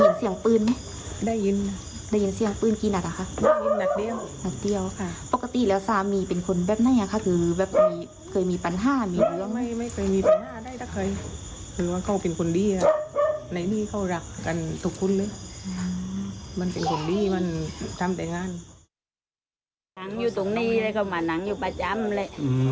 นั่งอยู่ตรงนี้เลยเขามานั่งอยู่ประจำเลย